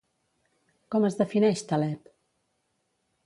Com es defineix Taleb?